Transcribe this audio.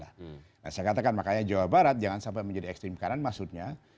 nah saya katakan makanya jawa barat jangan sampai menjadi ekstrim kanan maksudnya